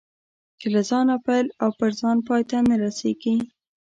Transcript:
چې له ځانه پیل او پر ځان پای ته نه رسېږي.